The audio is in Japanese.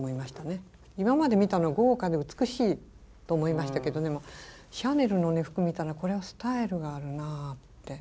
今まで見たのは豪華で美しいと思いましたけどでもシャネルの服見たらこれはスタイルがあるなあって。